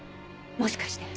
もしかして！